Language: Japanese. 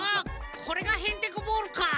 これがヘンテコボールかぁ。